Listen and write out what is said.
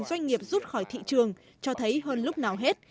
doanh nghiệp rút khỏi thị trường cho thấy hơn lúc nào hết